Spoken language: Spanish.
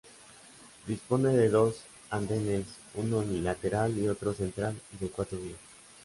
Dispone de dos andenes, uno lateral y otro central y de cuatro vías.